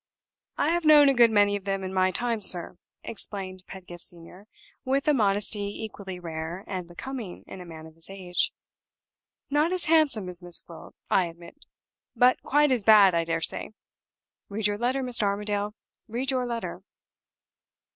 "I have known a good many of them in my time, sir," explained Pedgift Senior, with a modesty equally rare and becoming in a man of his age. "Not as handsome as Miss Gwilt, I admit. But quite as bad, I dare say. Read your letter, Mr. Armadale read your letter."